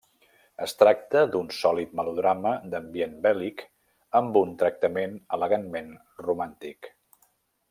Es tracta d'un sòlid melodrama d'ambient bèl·lic amb un tractament elegantment romàntic.